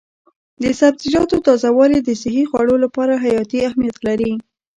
د سبزیجاتو تازه والي د صحي خوړو لپاره حیاتي اهمیت لري.